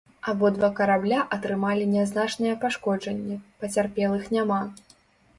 Абодва карабля атрымалі нязначныя пашкоджанні, пацярпелых няма.